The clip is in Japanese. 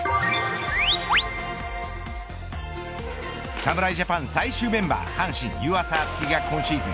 侍ジャパン最終メンバー阪神、湯浅京己が今シーズン